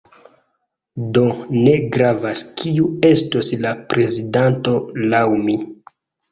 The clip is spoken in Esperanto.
Do, ne gravas kiu estos la prezidanto laŭ mi